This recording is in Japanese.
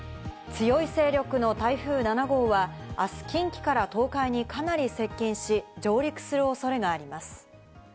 強い勢力の台風７号は、あす近畿から東海にかなり接近し、上陸するおそれがあります。